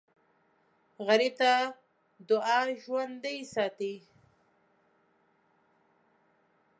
غریب ته دعا ژوندي ساتي